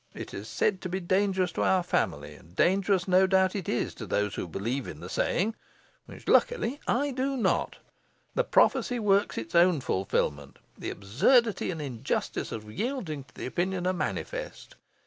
It is said to be dangerous to our family, and dangerous no doubt it is to those who believe in the saying, which, luckily, I do not. The prophecy works its own fulfilment. The absurdity and injustice of yielding to the opinion are manifest.